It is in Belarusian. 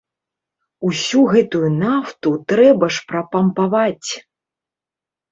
Усю гэтую нафту трэба ж прапампаваць!